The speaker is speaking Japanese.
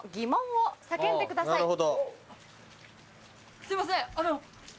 すいませんあの。